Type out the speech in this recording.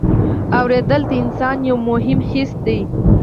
اورېدل د انسان یو مهم حس دی.